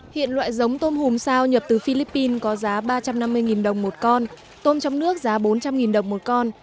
hiện loại giống tôm hùm sao nhập từ philippines có giá ba trăm năm mươi đồng một con tôm trong nước giá bốn trăm linh đồng một con